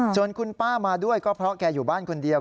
ส่วนคุณป้ามาด้วยก็เพราะแกอยู่บ้านคนเดียว